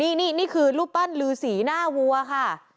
นี่นี่คือรูปปั้นลือสีหน้าวัวค่ะ